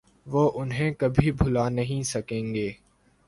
وہ انہیں کبھی بھلا نہیں سکیں گے۔